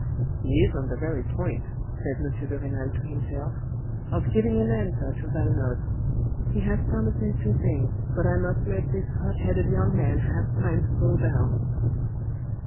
" He is on the very point," said M. de Renal to himself, "of giving an answer to Valenod. He has promised me tothing, but I must let this hot headed young man have time ocool down."